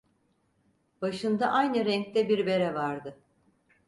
Başında aynı renkte bir bere vardı.